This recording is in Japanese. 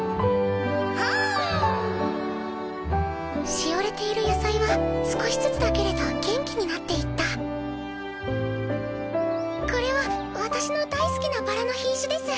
しおれている野菜は少しずつだけれどこれは私の大好きなバラの品種です。